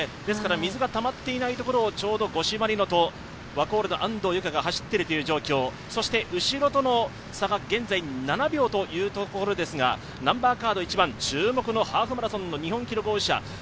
水がたまっていないところをちょうど五島莉乃とワコールの安藤友香が走っているという状況、そして後ろとの差が現在７秒というところですがナンバーカード１番、注目のハーフマラソンの日本記録保持者